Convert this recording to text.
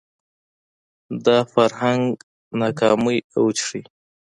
دا فرهنګ ناکامۍ اوج ښيي